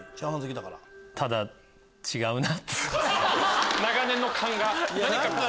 何か違うなって。